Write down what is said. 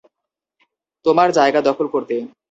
তোমার জায়গা দখল করতে।